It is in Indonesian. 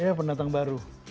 iya pendatang baru